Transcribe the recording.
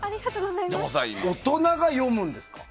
大人が読むんですか？